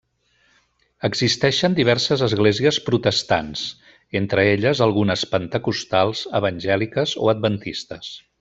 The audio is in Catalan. Existeixen diverses esglésies protestants, entre elles algunes pentecostals, evangèliques o adventistes.